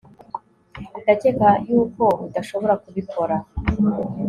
ndakeka yuko udashobora kubikora